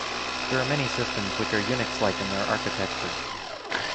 There are many systems which are Unix-like in their architecture.